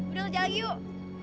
udah ngejalan yuk